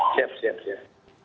siap siap siap